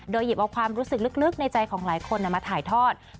โดยหยิบเอาความรู้สึกลึกในใจของหลายคนมาถ่ายทอด